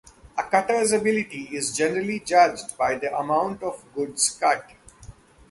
A cutter's ability is generally judged by the amount of goods cut.